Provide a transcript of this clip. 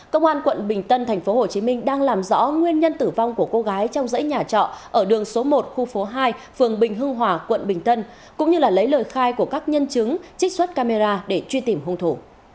công an quận bình tân tp hcm đang làm rõ nguyên nhân tử vong của cô gái trong dãy nhà trọ ở đường số một khu phố hai phường bình hưng hòa quận bình tân cũng như lấy lời khai của các nhân chứng trích xuất camera để truy tìm hung thủ